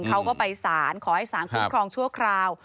เขาก็ไปสารขอให้สารคุ้มครองชั่วคราว